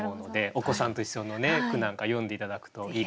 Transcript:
お子さんと一緒の句なんか詠んで頂くといいかなと。